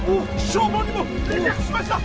消防にも連絡しました！